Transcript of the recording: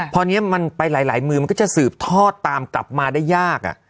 พอนี้มันไปหลายมือมันก็จะสืบทอดตามกลับมาได้ยาก